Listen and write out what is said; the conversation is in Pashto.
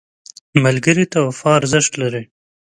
ملګری ته وفا ارزښت لري